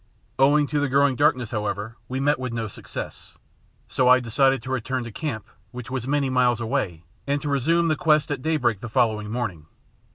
Owing to the growing darkness, however, we met with no success, so I decided to return to camp, which was many miles away, and to resume the quest at daybreak the following morning.